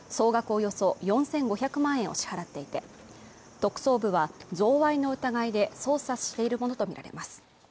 およそ４５００万円を支払っていて特捜部は贈賄の疑いで捜査しているものと見られます